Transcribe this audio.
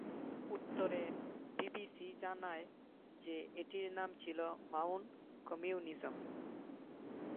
উত্তরে বিবিসি জানায় যে এটির নাম ছিল "মাউন্ট কমিউনিজম"।